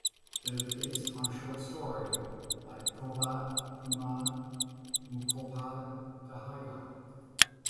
It is based on a short story by Provatkumar Mukhopadhyay.